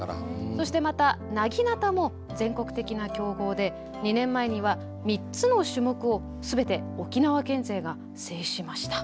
そしてまたなぎなたも全国的な強豪で２年前には３つの種目を全て沖縄県勢が制しました。